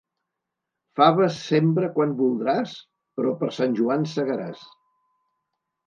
Faves sembra quan voldràs, però per Sant Joan segaràs.